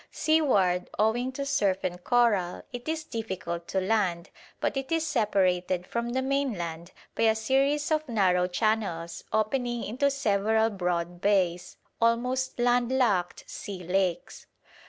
Seaward, owing to surf and coral, it is difficult to land, but it is separated from the mainland by a series of narrow channels opening into several broad bays, almost land locked sea lakes.